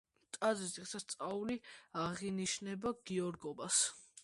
ტაძრის დღესასწაული აღინიშნება გიორგობას.